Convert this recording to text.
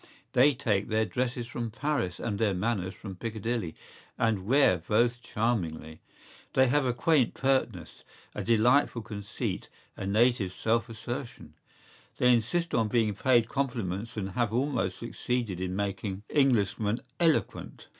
¬Ý They take their dresses from Paris and their manners from Piccadilly, and wear both charmingly.¬Ý They have a quaint pertness, a delightful conceit, a native self assertion.¬Ý They insist on being paid compliments and have almost succeeded in making Englishmen eloquent.